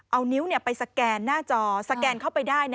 เอานิ้วไปสแกนหน้าจอสแกนเข้าไปได้